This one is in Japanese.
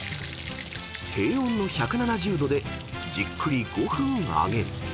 ［低温の１７０℃でじっくり５分揚げる］